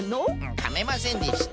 かめませんでした。